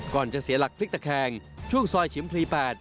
จะเสียหลักพลิกตะแคงช่วงซอยชิมพลี๘